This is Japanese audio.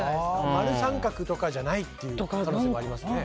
丸、三角とかじゃないっていう可能性もありますよね。